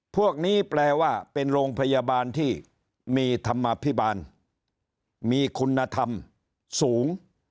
พวกนี้แปลว่าเป็นโรงพยาบาลที่มีธรรมภิบาลมีคุณธรรมสูง